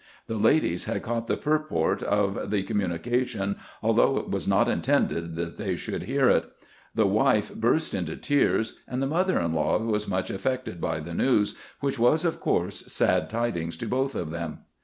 The ladies had caught the purport of the communication, although it was not intended that they should hear it. The wife burst into tears, and the mother in law was much affected by the news, which was of course sad tidings to both of them.